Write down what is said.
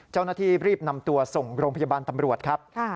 เจ้าหน้าที่รีบนำตัวส่งโรงพยาบาลตำรวจครับ